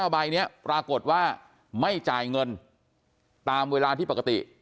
ใบนี้ปรากฏว่าไม่จ่ายเงินตามเวลาที่ปกติ